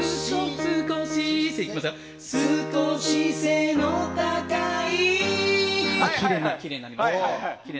「少し背の高い」。